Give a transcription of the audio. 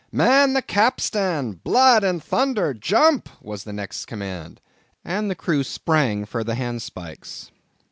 "Man the capstan! Blood and thunder!—jump!"—was the next command, and the crew sprang for the handspikes.